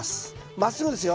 まっすぐですよ。